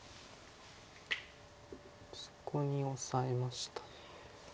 そこにオサえました。